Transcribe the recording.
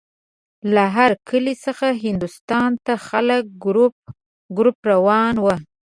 له هر کلي څخه هندوستان ته خلک ګروپ ګروپ روان وو.